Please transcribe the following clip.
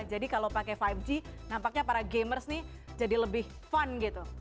jadi kalau pakai lima g nampaknya para gamers ini jadi lebih fun gitu